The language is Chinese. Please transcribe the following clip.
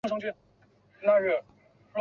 董太后在位二十二年。